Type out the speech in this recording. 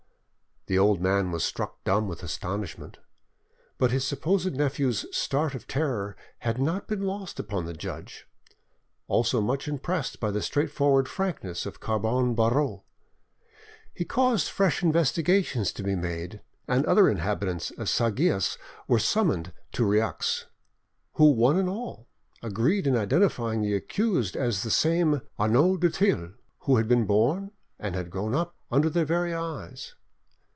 The old man was struck dumb with astonishment. But his supposed nephew's start of terror had not been lost upon the judge, also much impressed by the straightforward frankness of Carbon Barreau. He caused fresh investigations to be made, and other inhabitants of Sagias were summoned to Rieux, who one and all agreed in identifying the accused as the same Arnauld du Thill who had been born and had grown up under their very eyes.